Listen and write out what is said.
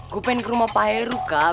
gue pengen ke rumah peru kak